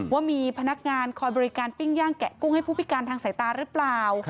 ว่ามีพนักงานคอยบริการปิ้งย่างแกะกุ้งให้ผู้พิการทางสายตาหรือเปล่า